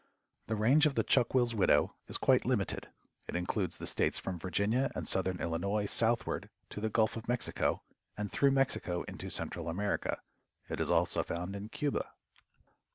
The range of the Chuck will's widow is quite limited. It includes the states from Virginia and southern Illinois southward to the Gulf of Mexico, and through Mexico into Central America. It is also found in Cuba.